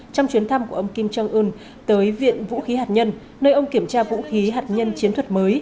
trong chuyến thăm của ông kim jong un tới viện vũ khí hạt nhân nơi ông kiểm tra vũ khí hạt nhân chiến thuật mới